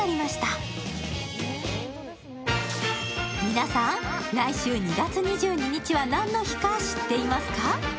皆さん、来週２月２２日は何の日か知っていますか？